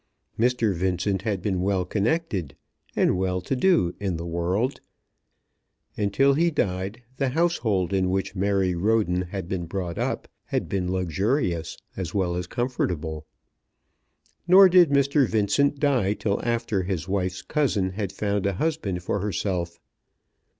Mr. Vincent had been well connected and well to do in the world, and till he died the household in which Mary Roden had been brought up had been luxurious as well as comfortable. Nor did Mr. Vincent die till after his wife's cousin had found a husband for herself.